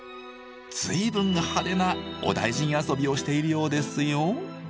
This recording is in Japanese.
随分派手な「お大尽遊び」をしているようですよ。